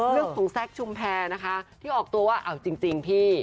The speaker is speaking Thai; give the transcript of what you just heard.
แซคชุมแพรนะคะที่ออกตัวว่าเอาจริงพี่